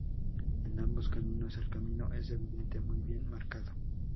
En ambos caminos el camino es evidente, muy bien marcado.